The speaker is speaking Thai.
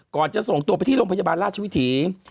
จะส่งตัวไปที่โรงพยาบาลราชวิถี